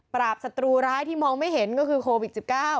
ศัตรูร้ายที่มองไม่เห็นก็คือโควิด๑๙